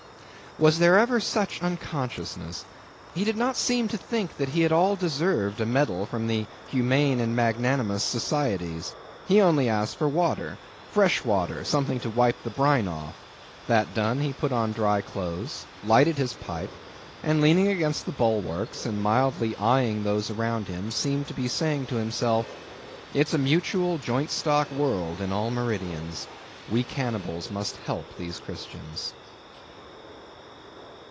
Was there ever such unconsciousness? He did not seem to think that he at all deserved a medal from the Humane and Magnanimous Societies. He only asked for water—fresh water—something to wipe the brine off; that done, he put on dry clothes, lighted his pipe, and leaning against the bulwarks, and mildly eyeing those around him, seemed to be saying to himself—"It's a mutual, joint stock world, in all meridians. We cannibals must help these Christians."